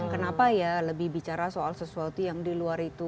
kenapa ya lebih bicara soal sesuatu yang di luar itu